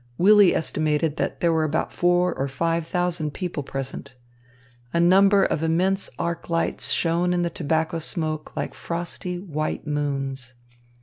Willy estimated that there were about four or five thousand people present. A number of immense arc lights shone in the tobacco smoke like frosty, white moons.